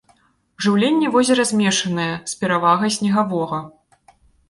Жыўленне возера змяшанае, з перавагай снегавога.